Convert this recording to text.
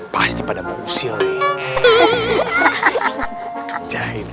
pasti pada mau usil nih